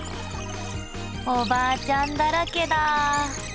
おばあちゃんだらけだ。